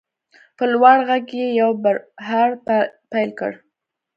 په لوړ غږ یې یو بړهار پیل کړ.